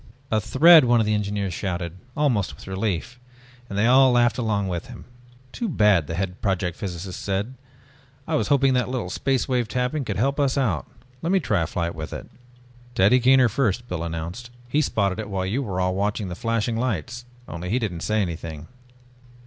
"A thread!" one of the engineers shouted, almost with relief, and they all laughed along with him. "Too bad," the head project physicist said, "I was hoping that a little Space Wave Tapping could help us out. Let me try a flight with it." "Teddy Kaner first," Biff announced. "He spotted it while you were all watching the flashing lights, only he didn't say anything."